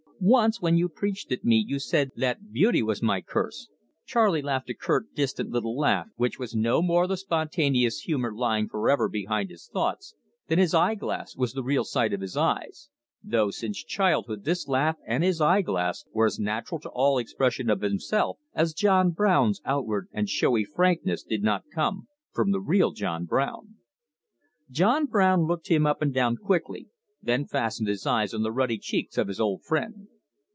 "Once when you preached at me you said that beauty was my curse." Charley laughed a curt, distant little laugh which was no more the spontaneous humour lying for ever behind his thoughts than his eye glass was the real sight of his eyes, though since childhood this laugh and his eye glass were as natural to all expression of himself as John Brown's outward and showy frankness did not come from the real John Brown. John Brown looked him up and down quickly, then fastened his eyes on the ruddy cheeks of his old friend.